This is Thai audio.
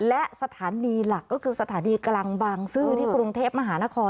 และสถานีหลักก็คือสถานีกลางบางซื่อที่กรุงเทพมหานคร